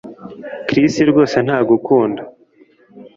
Chris rwose ntagukunda